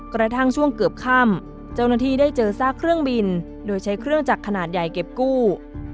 กระทั่งช่วงเกือบค่ำเจ้าหน้าที่ได้เจอซากเครื่องบินโดยใช้เครื่องจักรขนาดใหญ่เก็บกู้